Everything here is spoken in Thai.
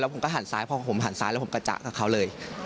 ผมก็หันซ้ายพอผมหันซ้ายแล้วผมกระจ่ากับเขาเลย